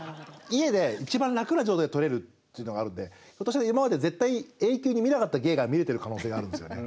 家で一番楽な状態で撮れるっていうのがあるんで今まで絶対永久に見なかった芸が見れてる可能性があるんですよね。